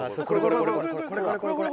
これこれこれこれ。